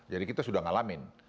jadi kita sudah ngalamin